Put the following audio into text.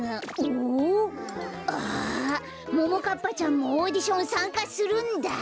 あももかっぱちゃんもオーディションさんかするんだ。